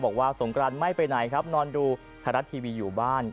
สงกรานไม่ไปไหนครับนอนดูไทยรัฐทีวีอยู่บ้าน